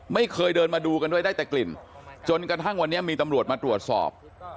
ไม่เคยเดินมาดูกันด้วยได้แต่กลิ่นจนกระทั่งวันนี้มีตำรวจมาตรวจสอบ